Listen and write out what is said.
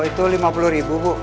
itu lima puluh ribu bu